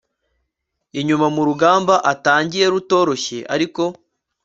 inyuma murugamba utangiye rutoroshye ariko